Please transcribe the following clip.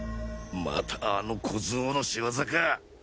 またあの小僧の仕業か！